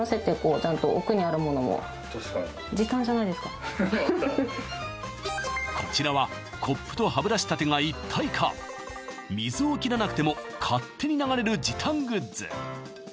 ちゃんと確かにこちらはコップと歯ブラシ立てが一体化水を切らなくても勝手に流れる時短グッズ